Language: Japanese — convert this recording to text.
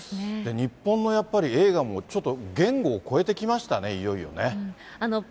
日本のやっぱり映画も、ちょっと言語を超えてきましたね、いよいよね。